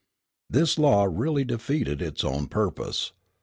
This law really defeated its own purpose.